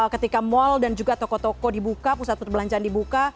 ketika mal dan juga toko toko dibuka pusat perbelanjaan dibuka